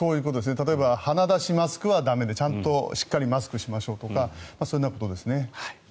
例えば鼻出しマスクは駄目とかちゃんとしっかりマスクしましょうとかそういうことですね。